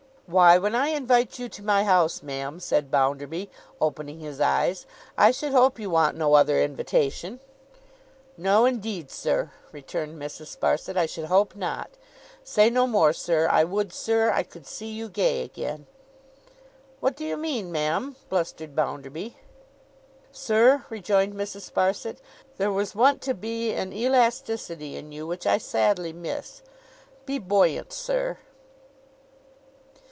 'Why, when I invite you to my house, ma'am,' said Bounderby, opening his eyes, 'I should hope you want no other invitation.' 'No, indeed, sir,' returned Mrs. Sparsit, 'I should hope not. Say no more, sir. I would, sir, I could see you gay again.' 'What do you mean, ma'am?' blustered Bounderby. 'Sir,' rejoined Mrs. Sparsit, 'there was wont to be an elasticity in you which I sadly miss. Be buoyant, sir!